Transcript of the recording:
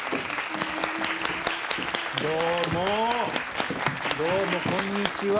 どうもどうもこんにちは。